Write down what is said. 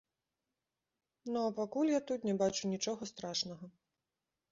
Ну а пакуль я тут не бачу нічога страшнага.